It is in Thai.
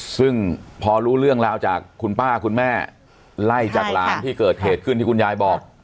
ซึ่งพอรู้เรื่องราวจากคุณป้าคุณแม่ไล่จากหลานที่เกิดเหตุขึ้นที่คุณยายบอก